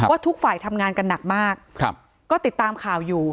ทุกฝ่ายทำงานกันหนักมากก็ติดตามข่าวอยู่